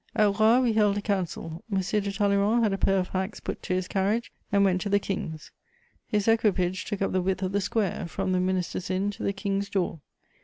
] At Roye we held a council: M. de Talleyrand had a pair of hacks put to his carriage and went to the King's. His equipage took up the width of the square, from the minister's inn to the Kings door.